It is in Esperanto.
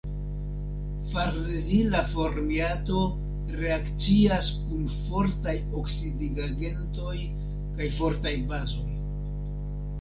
Farnezila formiato reakcias kun fortaj oksidigagentoj kaj fortaj bazoj.